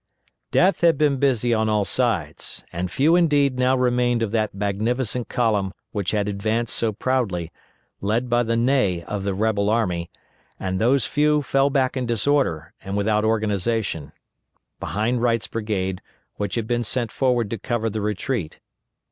Death had been busy on all sides, and few indeed now remained of that magnificent column which had advanced so proudly, led by the Ney of the rebel army, and those few fell back in disorder, and without organization, behind Wright's brigade, which had been sent forward to cover the retreat.